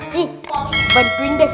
nih mami bantuin deh